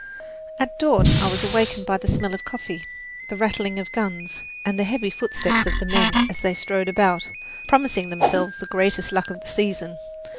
At dawn I was awakened by the smell of coffee, the rattling of guns, and the heavy footsteps of the men as they strode about, promising themselves the greatest luck of the season.